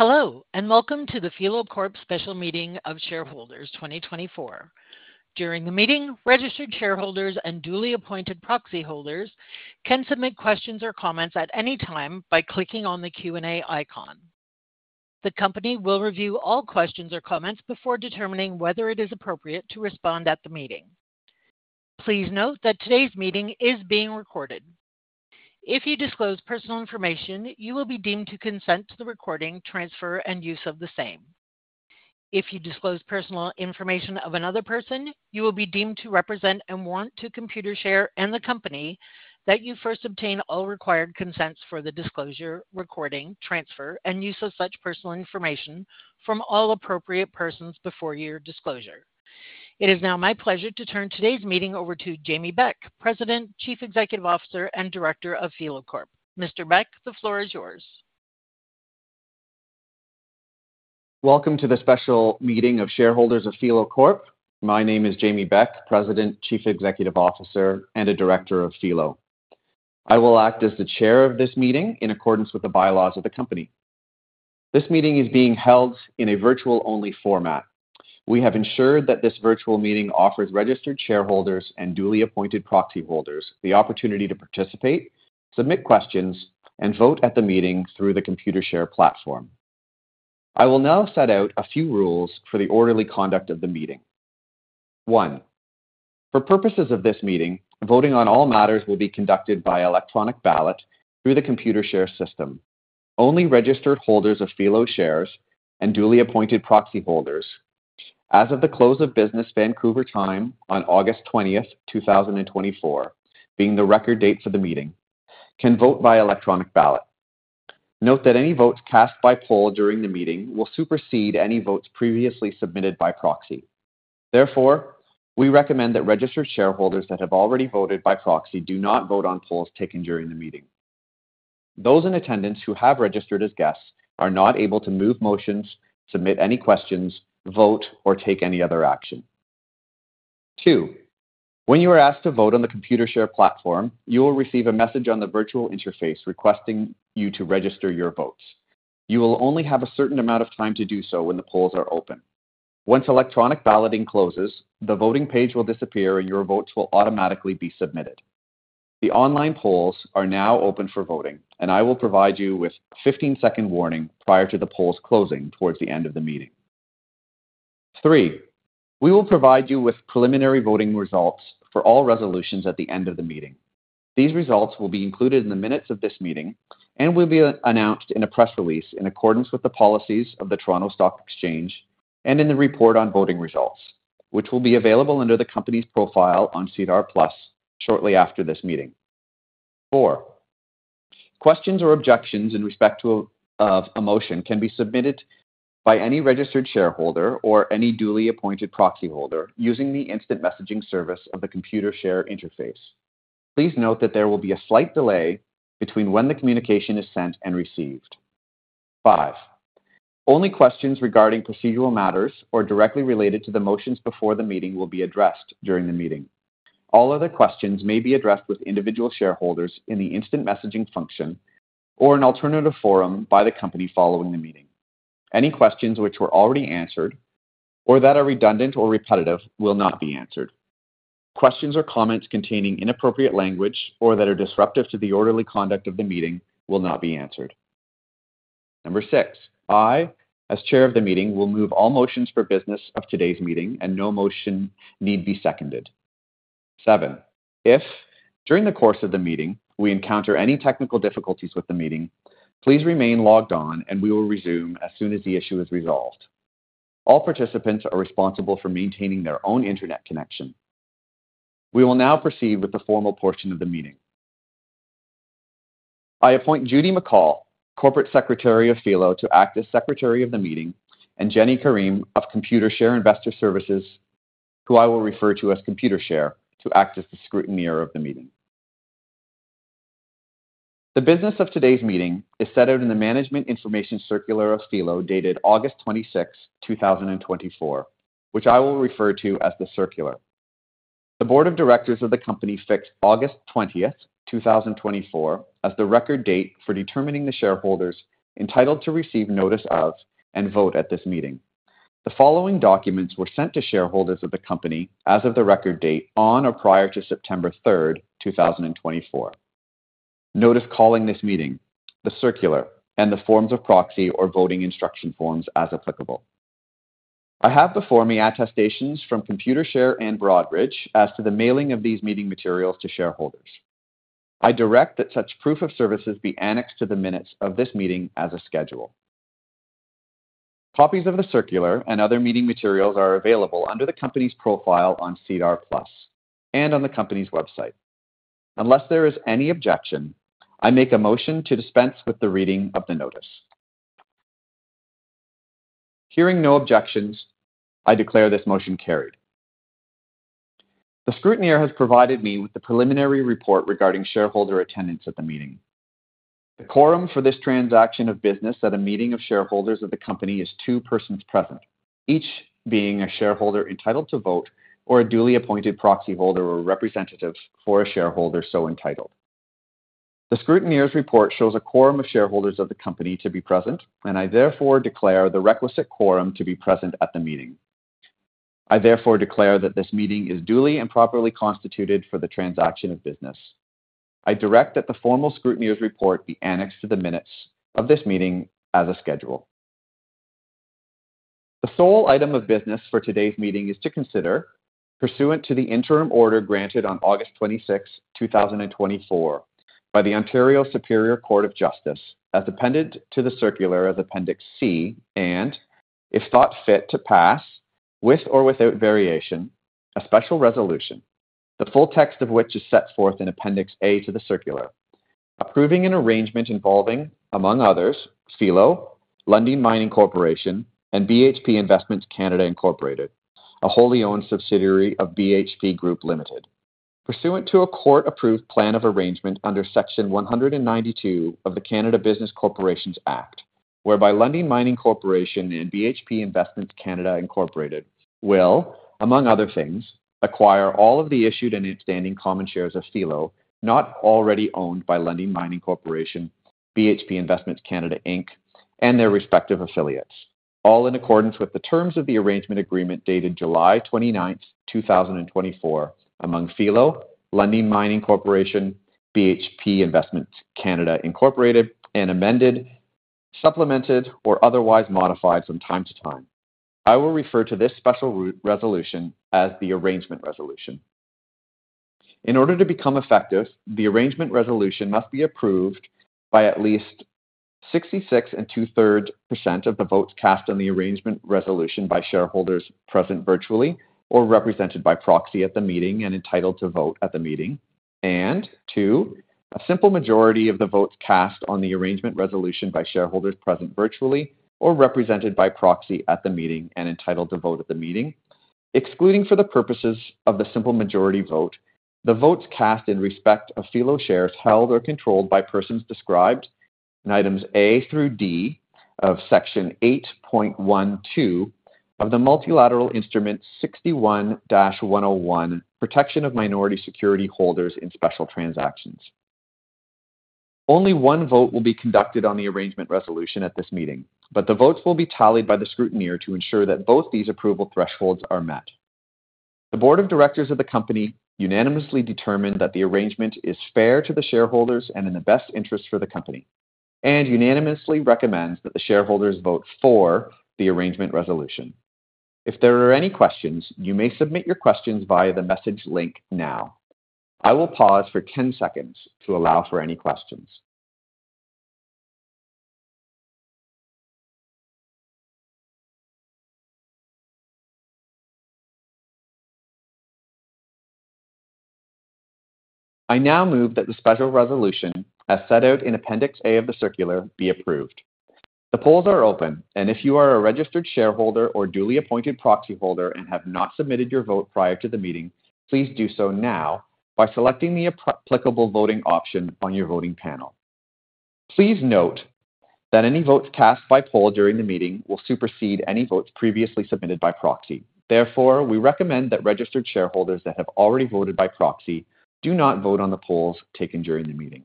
Hello, and welcome to the Filo Corp Special Meeting of Shareholders 2024. During the meeting, registered shareholders and duly appointed proxy holders can submit questions or comments at any time by clicking on the Q&A icon. The company will review all questions or comments before determining whether it is appropriate to respond at the meeting. Please note that today's meeting is being recorded. If you disclose personal information, you will be deemed to consent to the recording, transfer, and use of the same. If you disclose personal information of another person, you will be deemed to represent and warrant to Computershare and the company that you first obtain all required consents for the disclosure, recording, transfer, and use of such personal information from all appropriate persons before your disclosure. It is now my pleasure to turn today's meeting over to Jamie Beck, President, Chief Executive Officer, and Director of Filo Corp. Mr. Beck, the floor is yours. Welcome to the special meeting of shareholders of Filo Corp. My name is Jamie Beck, President, Chief Executive Officer, and Director of Filo Corp. I will act as the Chair of this meeting in accordance with the bylaws of the company. This meeting is being held in a virtual-only format. We have ensured that this virtual meeting offers registered shareholders and duly appointed proxy holders the opportunity to participate, submit questions, and vote at the meeting through the Computershare platform. I will now set out a few rules for the orderly conduct of the meeting. One, for purposes of this meeting, voting on all matters will be conducted by electronic ballot through the Computershare system. Only registered holders of Filo shares and duly appointed proxy holders as of the close of business, Vancouver time on August twentieth, two thousand and twenty-four, being the record date for the meeting, can vote by electronic ballot. Note that any votes cast by poll during the meeting will supersede any votes previously submitted by proxy. Therefore, we recommend that registered shareholders that have already voted by proxy do not vote on polls taken during the meeting. Those in attendance who have registered as guests are not able to move motions, submit any questions, vote, or take any other action. Two, when you are asked to vote on the Computershare platform, you will receive a message on the virtual interface requesting you to register your votes. You will only have a certain amount of time to do so when the polls are open. Once electronic balloting closes, the voting page will disappear, and your votes will automatically be submitted. The online polls are now open for voting, and I will provide you with a fifteen-second warning prior to the polls closing towards the end of the meeting. Three, we will provide you with preliminary voting results for all resolutions at the end of the meeting. These results will be included in the minutes of this meeting and will be announced in a press release in accordance with the policies of the Toronto Stock Exchange and in the report on voting results, which will be available under the company's profile on SEDAR+ shortly after this meeting. Four, questions or objections in respect of a motion can be submitted by any registered shareholder or any duly appointed proxy holder using the instant messaging service of the Computershare interface. Please note that there will be a slight delay between when the communication is sent and received. Five, only questions regarding procedural matters or directly related to the motions before the meeting will be addressed during the meeting. All other questions may be addressed with individual shareholders in the instant messaging function or an alternative forum by the company following the meeting. Any questions which were already answered or that are redundant or repetitive will not be answered. Questions or comments containing inappropriate language or that are disruptive to the orderly conduct of the meeting will not be answered. Number six, I, as Chair of the meeting, will move all motions for business of today's meeting, and no motion need be seconded. Seven, if during the course of the meeting, we encounter any technical difficulties with the meeting, please remain logged on and we will resume as soon as the issue is resolved. All participants are responsible for maintaining their own internet connection. We will now proceed with the formal portion of the meeting. I appoint Judy McCall, Corporate Secretary of Filo, to act as Secretary of the meeting, and Jenny Karim of Computershare Investor Services, who I will refer to as Computershare, to act as the scrutineer of the meeting. The business of today's meeting is set out in the Management Information Circular of Filo, dated August twenty-sixth, two thousand and twenty-four, which I will refer to as the circular. The Board of Directors of the company fixed August twentieth, two thousand and twenty-four, as the record date for determining the shareholders entitled to receive notice of and vote at this meeting. The following documents were sent to shareholders of the company as of the record date on or prior to September third, two thousand and twenty-four: Notice calling this meeting, the circular, and the forms of proxy or voting instruction forms, as applicable. I have before me attestations from Computershare and Broadridge as to the mailing of these meeting materials to shareholders. I direct that such proof of services be annexed to the minutes of this meeting as a schedule. Copies of the circular and other meeting materials are available under the company's profile on SEDAR+ and on the company's website. Unless there is any objection, I make a motion to dispense with the reading of the notice. Hearing no objections, I declare this motion carried. The scrutineer has provided me with the preliminary report regarding shareholder attendance at the meeting. The quorum for this transaction of business at a meeting of shareholders of the company is two persons present, each being a shareholder entitled to vote or a duly appointed proxy holder or representative for a shareholder so entitled. The scrutineer's report shows a quorum of shareholders of the company to be present, and I therefore declare the requisite quorum to be present at the meeting. I therefore declare that this meeting is duly and properly constituted for the transaction of business. I direct that the formal scrutineer's report be annexed to the minutes of this meeting as a schedule. The sole item of business for today's meeting is to consider, pursuant to the interim order granted on August twenty-sixth, two thousand and twenty-four, by the Ontario Superior Court of Justice, as appended to the circular of Appendix C, and if thought fit to pass, with or without variation, a special resolution, the full text of which is set forth in Appendix A to the circular, approving an arrangement involving, among others, Filo, Lundin Mining Corporation, and BHP Investments Canada Incorporated, a wholly owned subsidiary of BHP Group Limited. Pursuant to a court-approved Plan of Arrangement under Section one hundred and ninety-two of the Canada Business Corporations Act, whereby Lundin Mining Corporation and BHP Investments Canada Inc. will, among other things, acquire all of the issued and outstanding common shares of Filo not already owned by Lundin Mining Corporation, BHP Investments Canada Inc., and their respective affiliates, all in accordance with the terms of the Arrangement Agreement dated July twenty-ninth, two thousand and twenty-four, among Filo, Lundin Mining Corporation, BHP Investments Canada Inc., and amended, supplemented, or otherwise modified from time to time. I will refer to this special resolution as the Arrangement Resolution. In order to become effective, the Arrangement Resolution must be approved by at least 66 2/3% of the votes cast on the Arrangement Resolution by shareholders present, virtually or represented by proxy at the meeting and entitled to vote at the meeting. And two, a simple majority of the votes cast on the Arrangement Resolution by shareholders present, virtually or represented by proxy at the meeting and entitled to vote at the meeting, excluding, for the purposes of the simple majority vote, the votes cast in respect of Filo shares held or controlled by persons described in items A through D of Section 8.12 of the Multilateral Instrument 61-101, Protection of Minority Security Holders in Special Transactions. Only one vote will be conducted on the Arrangement Resolution at this meeting, but the votes will be tallied by the scrutineer to ensure that both these approval thresholds are met. The Board of Directors of the company unanimously determined that the arrangement is fair to the shareholders and in the best interest for the company, and unanimously recommends that the shareholders vote for the Arrangement Resolution. If there are any questions, you may submit your questions via the message link now. I will pause for ten seconds to allow for any questions. I now move that the special resolution, as set out in Appendix A of the circular, be approved. The polls are open, and if you are a registered shareholder or duly appointed proxy holder and have not submitted your vote prior to the meeting, please do so now by selecting the applicable voting option on your voting panel. Please note that any votes cast by poll during the meeting will supersede any votes previously submitted by proxy. Therefore, we recommend that registered shareholders that have already voted by proxy do not vote on the polls taken during the meeting.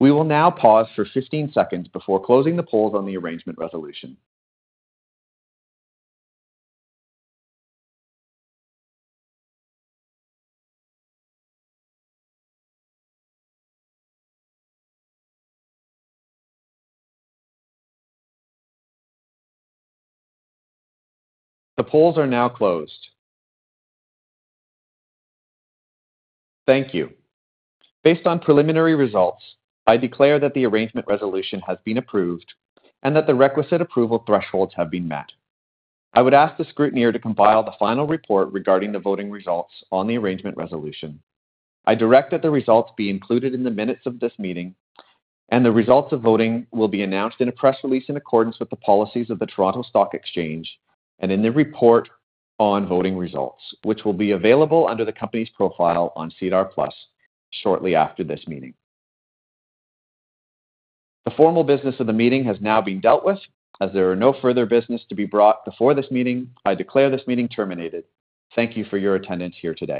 We will now pause for fifteen seconds before closing the polls on the Arrangement Resolution. The polls are now closed. Thank you. Based on preliminary results, I declare that the Arrangement Resolution has been approved and that the requisite approval thresholds have been met. I would ask the scrutineer to compile the final report regarding the voting results on the Arrangement Resolution. I direct that the results be included in the minutes of this meeting, and the results of voting will be announced in a press release in accordance with the policies of the Toronto Stock Exchange and in the report on voting results, which will be available under the company's profile on SEDAR+ shortly after this meeting. The formal business of the meeting has now been dealt with. As there are no further business to be brought before this meeting, I declare this meeting terminated. Thank you for your attendance here today.